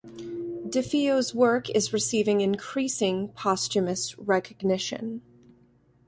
DeFeo's work is receiving increasing posthumous recognition.